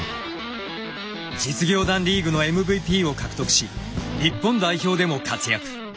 実業団リーグのＭＶＰを獲得し日本代表でも活躍。